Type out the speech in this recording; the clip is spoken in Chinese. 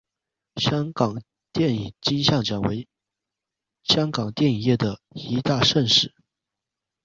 香港电影金像奖为香港电影业的一大盛事。